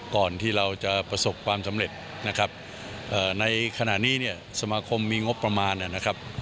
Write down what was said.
ก่อนที่เราจะประสบความสำเร็จนะครับในขณะนี้เนี่ยสมาคมมีงบประมาณนะครับ